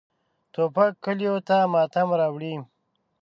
توپک کلیو ته ماتم راوړي.